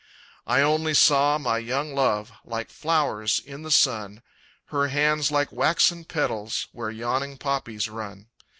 I only saw my young love, Like flowers in the sun Her hands like waxen petals, Where yawning poppies run.